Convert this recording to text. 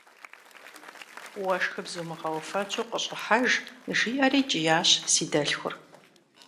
– Уэшхым зумыгъэуфэнщӀу къыщӀыхьэж, - жиӏэри кӏиящ си дэлъхур.